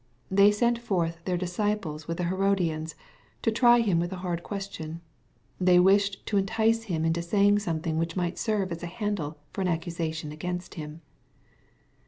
They sent forth "their disciples with the Hero dians,^' to try Him with a hard question. They wished to entice Him into saying something which might serve as a handle for an accusation against Him.